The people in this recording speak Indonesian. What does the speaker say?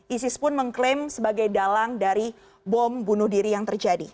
isis pun mengklaim sebagai dalang dari bom bunuh diri yang terjadi